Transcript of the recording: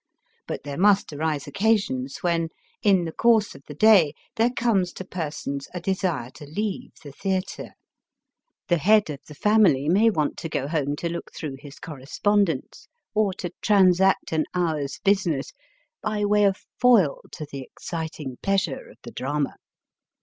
But there must arise occasions when, in the course of the day, there comes to persons a desire to leave the theatre. The head of the family may want to go home to look through his correspondence, or to transact an hour's busi ness, by way of foil to the exciting pleasure of the drama.